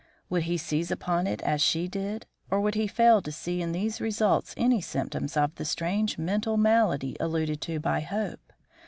Would he seize upon it as she did? Or would he fail to see in these results any symptoms of the strange mental malady alluded to by Hope?